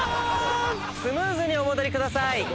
スムーズにお戻りください。